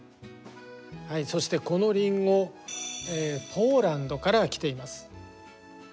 そしてこのリンゴポーランドから来ています。